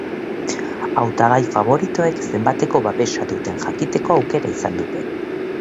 Hautagai faboritoek zenbateko babesa duten jakiteko aukera izan dute.